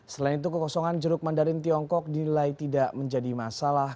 selain itu kekosongan jeruk mandarin tiongkok dinilai tidak menjadi masalah